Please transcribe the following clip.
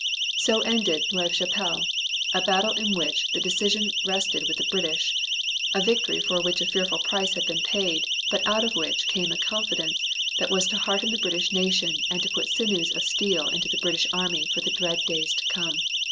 So ended Neuve Chapelle, a battle in which the decision rested with the British, a victory for which a fearful price had been paid but out of which came a confidence that was to hearten the British nation and to put sinews of steel into the British army for the dread days to come.